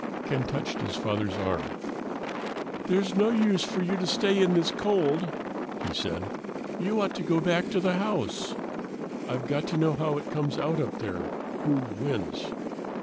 Ken touched his father's arm. "There's no use for you to stay in this cold," he said. "You ought to go back to the house." "I've got to know how it comes out up there, who wins."